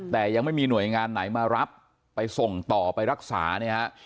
แต่ยังไม่มีหน่วยงานไหนมารับไปส่งต่อไปรักษาเนี่ยฮะ